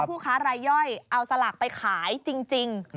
ผู้ค้ารายย่อยเอาสลากไปขายจริง